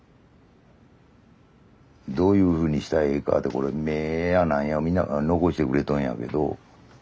どういうふうにしたらええかってこれ目や何やみんな残してくれとんやけど。